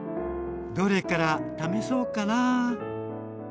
どれから試そうかな。